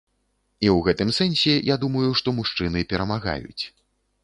І ў гэтым сэнсе, я думаю, што мужчыны перамагаюць.